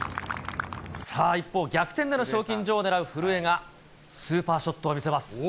さあ一方、逆転での賞金女王を狙う古江がスーパーショットを見せます。